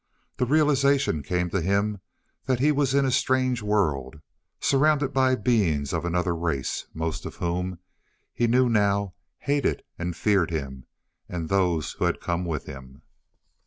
The realization came to him that he was in a strange world, surrounded by beings of another race, most of whom, he knew now, hated and feared him and those who had come with him.